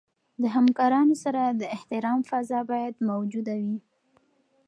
د همکارانو سره د احترام فضا باید موجوده وي.